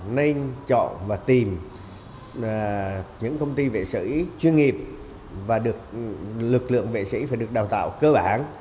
nên chọn và tìm những công ty vệ sĩ chuyên nghiệp và được lực lượng vệ sĩ phải được đào tạo cơ bản